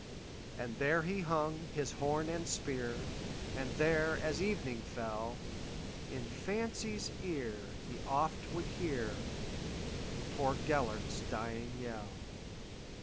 And there he hung his horn and spear, And there, as evening fell, In fancy's ear he oft would hearPoor Gêlert's dying yell.